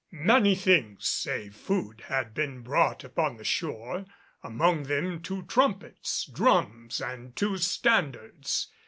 Many things save food had been brought upon the shore, among them two trumpets, drums and two standards.